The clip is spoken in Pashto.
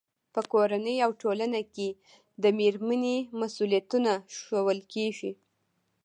په کورنۍ او ټولنه کې د مېرمنې مسؤلیتونه ښوول کېږي.